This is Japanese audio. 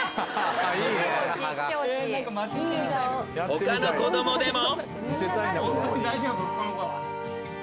［他の子供でも］